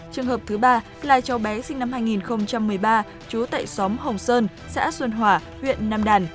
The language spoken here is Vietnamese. trường hợp thứ ba là cháu bé sinh năm hai nghìn một mươi ba trú tại xóm hồng sơn xã xuân hòa huyện nam đàn